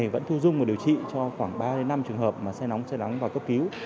vẫn thu dung và điều trị cho khoảng ba năm trường hợp mà say nóng xe nắng và cấp cứu